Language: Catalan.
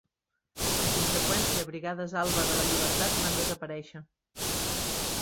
En conseqüència, Brigades Alba de la Llibertat van desaparèixer.